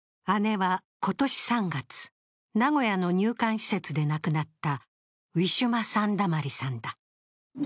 姉は、今年３月、名古屋の入管施設で亡くなったウィシュマ・サンダマリさんだ。